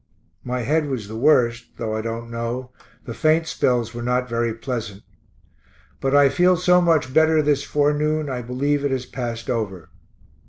My head was the worst, though I don't know, the faint spells were not very pleasant but I feel so much better this forenoon I believe it has passed over.